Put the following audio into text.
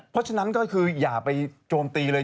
เพราะฉะนั้นก็คืออย่าไปโจมตีเลย